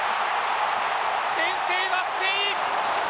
先制はスペイン。